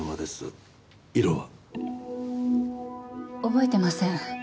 覚えてません。